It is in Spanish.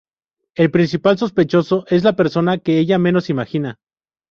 El principal sospechoso es la persona que ella menos imagina.